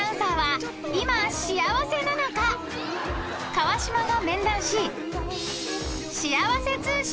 ［川島が面談し］